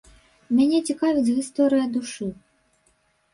Мяне цікавіць гісторыя душы.